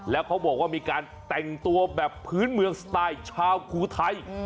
แล้วเขาบอกว่ามีการแต่งตัวแบบพื้นเมืองสไตล์ชาวภูไทย